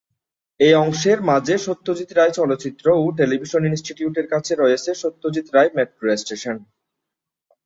এই অংশের মাঝে সত্যজিৎ রায় চলচ্চিত্র ও টেলিভিশন ইনস্টিটিউটের কাছে রয়েছে সত্যজিৎ রায় মেট্রো স্টেশন।